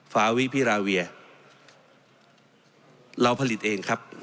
ฟาวิพิราเวียเราผลิตเองครับ